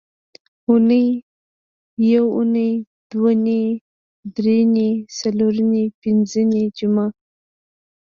اونۍ، یونۍ، دونۍ، درېنۍ، څلورنۍ، پینځنۍ، جمعه